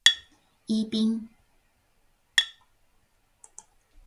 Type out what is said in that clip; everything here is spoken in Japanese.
イーピン